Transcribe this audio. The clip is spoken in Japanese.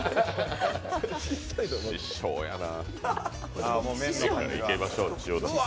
師匠やな。